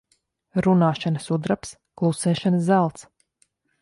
Runāšana sudrabs, klusēšana zelts.